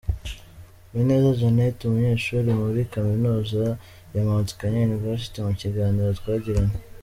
Uwineza Jeannette, umunyeshuri muri kaminuza ya Mount Kenya University mu kiganiro twagiranye.